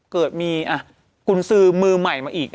เกิดมีกุญสือมือใหม่มาอีก